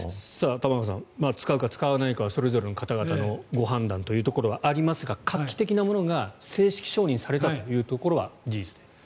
玉川さん使うか使わないかはそれぞれの方々のご判断ということがありますが画期的なものが正式承認されたというところは事実です。